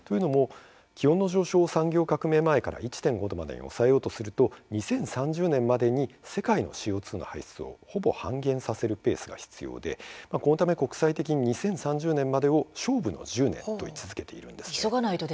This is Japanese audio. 気温の上昇を産業革命前から１．５度までに抑えようとすると２０３０年までに世界のＣＯ２排出をほぼ半減させるペースが必要でそのため２０３０年までを勝負の１０年と位置づけています。